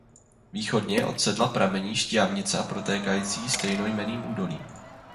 Východně od sedla pramení Štiavnica protékající stejnojmenným údolím.